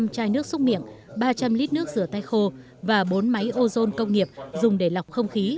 một trăm linh chai nước xúc miệng ba trăm linh lít nước rửa tay khô và bốn máy ozone công nghiệp dùng để lọc không khí